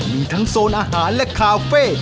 มีทั้งโซนอาหารและคาเฟ่